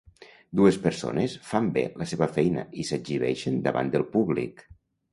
Dues persones fan bé la seva feina i s'exhibeixen davant del públic.